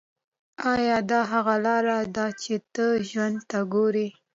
ایا دا هغه لاره ده چې ته ژوند ته ګورې